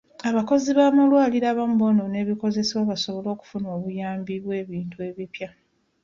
Abakozi b'amalwaliro abamu bonoona ebikozesebwa basobole okufuna obuyambi bw'ebintu ebipya.